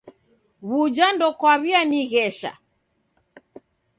W'uja ndokwaw'ianighesha?